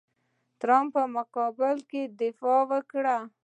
د ټرمپ په مقابل کې یې دفاع وکړه.